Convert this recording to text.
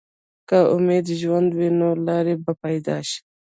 که امید ژوندی وي، نو لارې به پیدا شي.